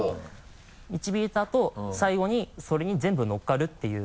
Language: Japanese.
導いたあと最後にそれに全部乗っかるっていう。